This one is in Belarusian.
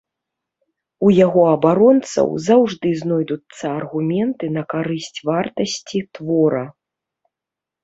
У яго абаронцаў заўжды знойдуцца аргументы на карысць вартасці твора.